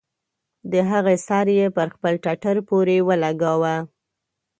د هغې سر يې پر خپل ټټر پورې ولګاوه.